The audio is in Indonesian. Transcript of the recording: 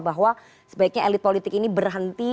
bahwa sebaiknya elit politik ini berhenti